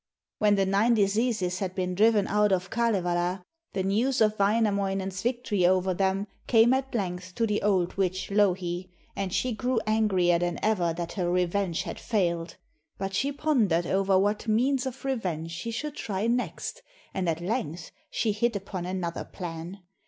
When the nine diseases had been driven out of Kalevala, the news of Wainamoinen's victory over them came at length to the old witch Louhi, and she grew angrier than ever that her revenge had failed. But she pondered over what means of revenge she should try next, and at length she hit upon another plan.